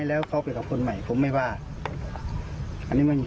เรื่อย